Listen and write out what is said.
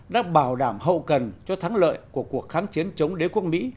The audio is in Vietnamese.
đã bảo đảm hậu cần cho thắng lợi của cuộc kháng chiến chống đế quốc mỹ